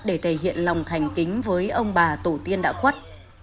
để thể hiện lòng thành kính với ông bà tổ tiên đã khuất